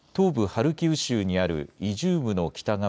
ハルキウ州にあるイジュームの北側